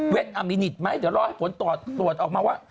อามินิตไหมเดี๋ยวรอให้ผลตรวจออกมาว่า